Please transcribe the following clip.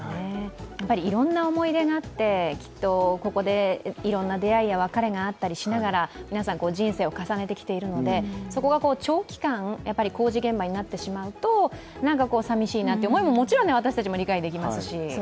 いろんな思い出があって、ここでいろんな別れや出会いがあって皆さん人生を重ねてきているので、長期間、工事現場になってしまうとさびしいなというのはもちろん私たちも理解できますし。